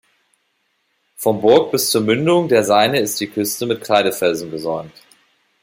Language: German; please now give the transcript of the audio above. Vom "Bourg" bis zur Mündung der Seine ist die Küste mit Kreidefelsen gesäumt.